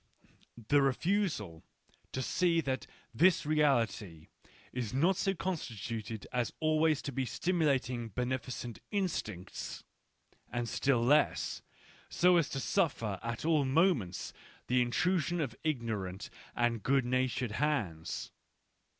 The refusal to see that this reality is not so constituted as always to be stimulating beneficent instincts, and still less, so as to suffer at all moments the intrusion of ignorant and good natured hands.